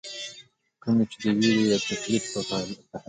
کومي چې د ويرې يا تکليف پۀ حالت کښې